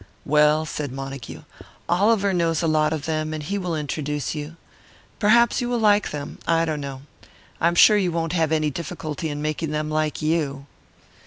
"Well," said Montague, "Oliver knows a lot of them, and he will introduce you. Perhaps you will like them I don't know. I am sure you won't have any difficulty in making them like you."